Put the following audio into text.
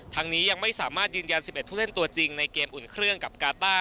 ยังไม่สามารถยืนยัน๑๑ผู้เล่นตัวจริงในเกมอุ่นเครื่องกับกาต้า